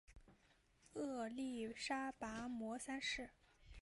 曷利沙跋摩三世。